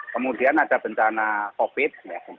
kemudian ada bencana covid